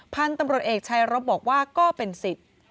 พันธุ์ตำรวจเอกชายรบบอกว่าก็เป็นสิทธิ์